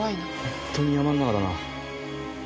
ホントに山の中だな。